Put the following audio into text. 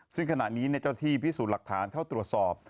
ซึ่งขณะนี้เจ้าที่พิสูจน์หลักฐานเข้าตรวจสอบ